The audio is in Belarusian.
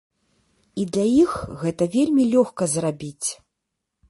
І для іх гэта вельмі лёгка зрабіць.